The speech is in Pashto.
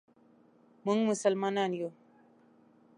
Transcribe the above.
مونږ مسلمانان یو.